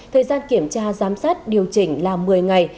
thời gian kiểm tra giám sát điều chỉnh là một mươi ngày